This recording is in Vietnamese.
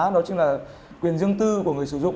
đó chính là quyền dương tư của người sử dụng